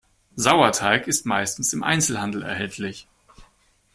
Sauerteig ist meistens im Einzelhandel erhältlich.